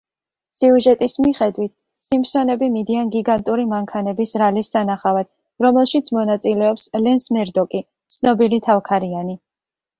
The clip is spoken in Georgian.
სიუჟეტის მიხედვით, სიმფსონები მიდიან გიგანტური მანქანების რალის სანახავად, რომელშიც მონაწილეობს ლენს მერდოკი, ცნობილი თავქარიანი.